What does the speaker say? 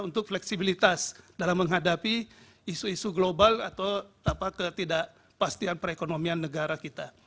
untuk fleksibilitas dalam menghadapi isu isu global atau ketidakpastian perekonomian negara kita